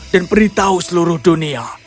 dan beritahu seluruh dunia